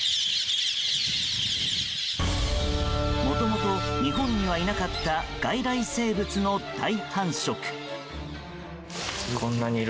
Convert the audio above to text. もともと日本にはいなかった外来生物の大繁殖。